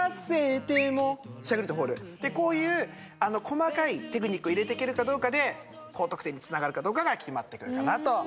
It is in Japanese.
こういう細かいテクニックを入れて行けるかどうかで高得点につながるかどうかが決まって来るかなと。